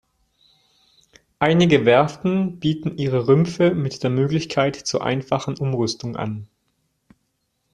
Einige Werften bieten ihre Rümpfe mit der Möglichkeit zur einfachen Umrüstung an.